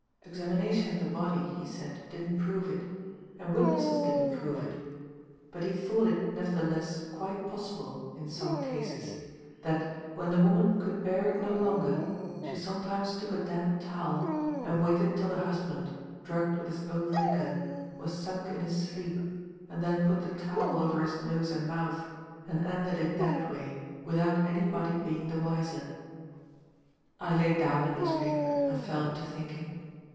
Examination of the body (he said) didn't prove it; and witnesses didn't prove it; but he thought it, nevertheless, quite possible, in some cases, that, when the woman could bear it no longer, she sometimes took a damp towel, and waited till the husband (drugged with his own liquor) was sunk in his sleep, and then put the towel over his nose and mouth, and ended it that way without any body being the wiser. I laid down the newspaper; and fell into thinking.